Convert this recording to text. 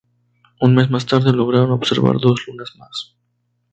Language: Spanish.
Un mes más tarde, lograron observar dos lunas más.